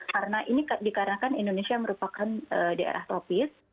karena ini dikarenakan indonesia merupakan daerah tropis